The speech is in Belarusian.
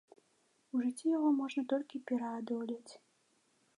У жыцці яго можна толькі пераадолець.